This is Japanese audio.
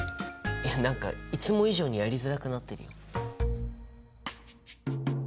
いや何かいつも以上にやりづらくなってるよ。